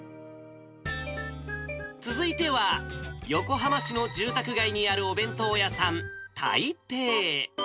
続いては、横浜市の住宅街にあるお弁当屋さん、台北。